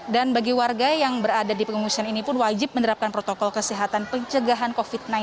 dan bagi warga yang berada di pengungsian ini pun wajib menerapkan protokol kesehatan pencegahan covid sembilan belas